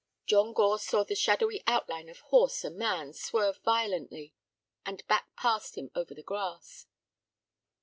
John Gore saw the shadowy outline of horse and man swerve violently, and back past him over the grass.